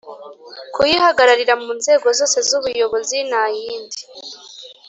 Kuyihagararira mu nzego zose z ubuyobozi n ayindi